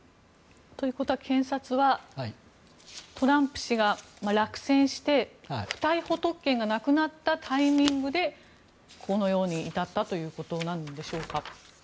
ということは検察は、トランプ氏が落選して不逮捕特権がなくなったタイミングでこのように至ったということでしょうか？